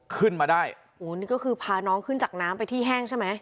ขึ้นมาได้โอ้นี่ก็คือพาน้องขึ้นจากน้ำไปที่แห้งใช่ไหม